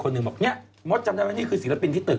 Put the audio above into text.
เมื่อก็แบบเงี้ยมอดจำได้มั้ยนี่คือศิลปินที่ตึก